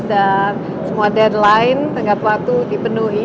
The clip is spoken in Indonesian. dan semua deadline tengah waktu dipenuhi